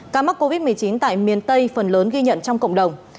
ca mắc covid một mươi chín tại miền tây phần lớn ghi nhận trong cộng đồng